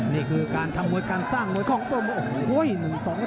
นี่คือการทำมวยการสร้างมวยของตัวมาโอ้โห